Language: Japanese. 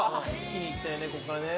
一気に行ったよね